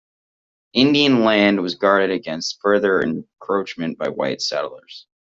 Indian land was guarded against further encroachment by white settlers.